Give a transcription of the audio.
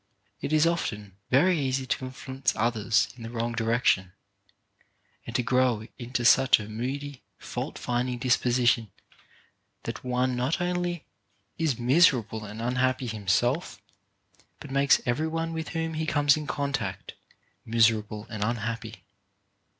It is often very easy to influence others in the wrong direction, and to grow into such a moody fault finding disposition that one not only is mis erable and unhappy himself, but makes every one with whom he comes in contact miserable and unhappy.